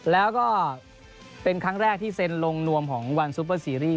แล้วก็เป็นครั้งแรกที่เซ็นลงนวมของวันซูเปอร์ซีรีส